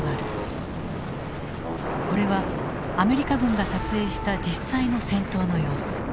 これはアメリカ軍が撮影した実際の戦闘の様子。